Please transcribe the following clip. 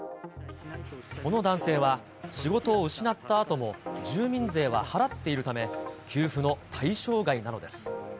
この男性は、仕事を失ったあとも住民税は払っているため、給付の対象外なのです。